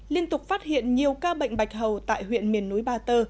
liên tục phát hiện nhiều ca bệnh bạch hầu tại huyện miền núi ba tơ